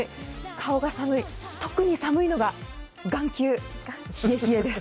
顔が寒い、特に寒いのが眼球、冷え冷えです。